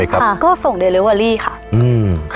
ก็ส่งโดยเรือวอลีค่ะ